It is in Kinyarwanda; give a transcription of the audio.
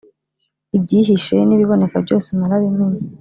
Ibyihishe n’ibiboneka byose, narabimenye,